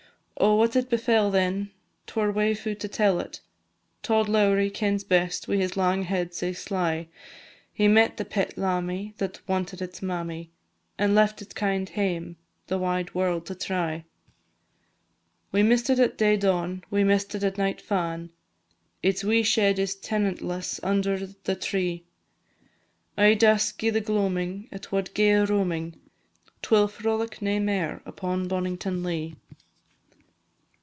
Oh, what then befell it, 't were waefu' to tell it, Tod Lowrie kens best, wi' his lang head sae sly; He met the pet lammie, that wanted its mammie, And left its kind hame the wide world to try. We miss'd it at day dawn, we miss'd it at night fa'in', Its wee shed is tenantless under the tree, Ae dusk i' the gloamin' it wad gae a roamin'; 'T will frolic nae mair upon Bonnington Lea.